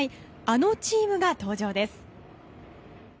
あのチームが登場です。